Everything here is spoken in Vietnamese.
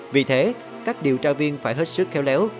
vì thế các điều tra viên phải hết sức khéo léo